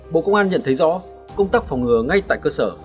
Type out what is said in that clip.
bộ công an nhận thấy rõ công tác phòng ngừa ngay tại cơ sở